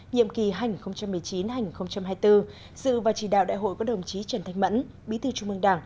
nhiệm kỳ hai nghìn một mươi chín hai nghìn hai mươi bốn dự và chỉ đạo đại hội của đồng chí trần thanh mẫn bí thư trung mương đảng